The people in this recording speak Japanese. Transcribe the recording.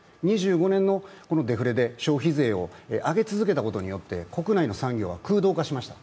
２５年のデフレで消費税を上げ続けたことによって国内の産業は空洞化しました。